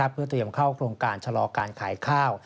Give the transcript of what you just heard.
เพื่อเตรียมเข้าโครงการชะลอการขายข้าว